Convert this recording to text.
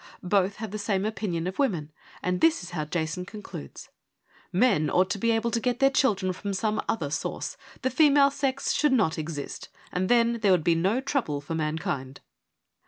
Both have the same opinion of women ; and this is how Jason concludes —■ Men ought to be able to get their children from some other source : the female sex should not exist : and then there would be no trouble for mankind.'